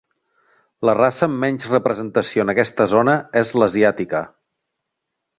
La raça amb menys representació en aquesta zona és l'asiàtica.